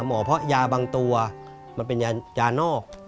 หมอเพราะยาบางตัวมันเป็นยานอก